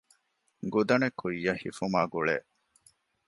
ގުދަނެއް ކުއްޔަށް ހިފުމާ ގުޅޭ